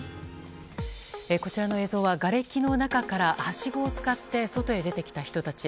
こちらの映像はがれきの中から、はしごを使って外へ出てきた人たち。